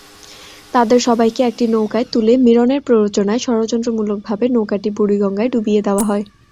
তাদের সবাইকে একটি নৌকায় তুলে মীরনের প্ররোচনায় ষড়যন্ত্রমূলকভাবে নৌকাটি বুড়িগঙ্গায় ডুবিয়ে দেওয়া হয়।